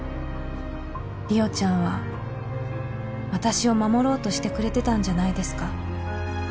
「莉桜ちゃんは私を守ろうとしてくれてたんじゃないですか」